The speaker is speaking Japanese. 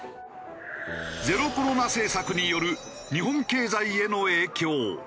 ゼロコロナ政策による日本経済への影響。